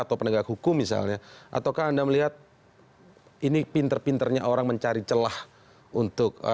atau penegak hukum misalnya ataukah anda melihat ini pinter pinternya orang mencari celah untuk